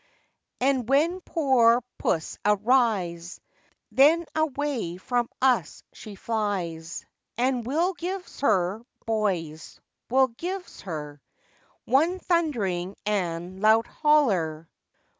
And when poor puss arise, Then away from us she flies; And we'll gives her, boys, we'll gives her, One thundering and loud holler!